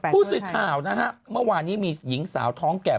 ผู้สื่อข่าวนะฮะเมื่อวานนี้มีหญิงสาวท้องแก่